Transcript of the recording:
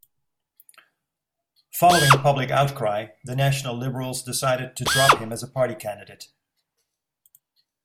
Following public outcry, the National Liberals decided to drop him as party candidate.